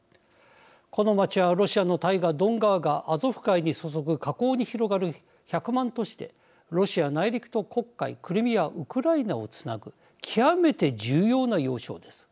この街はロシアの大河ドン川がアゾフ海に注ぐ河口に広がる１００万都市でロシア内陸と黒海クリミアウクライナをつなぐ極めて重要な要衝です。